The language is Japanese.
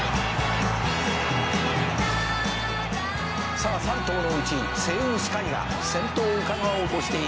「さあ３頭のうちセイウンスカイが先頭をうかがおうとしている」